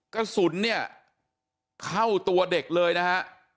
กระสุนเนี่ยเข้าตัวเด็กเลยนะฮะ